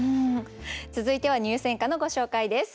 続いては入選歌のご紹介です。